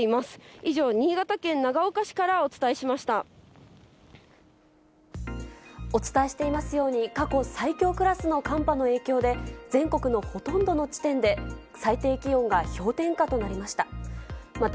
以上、新潟県長岡市からお伝えしお伝えしていますように、過去最強クラスの寒波の影響で、全国のほとんどの地点で最低気温が氷点下となりました。